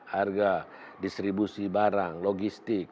harga distribusi barang logistik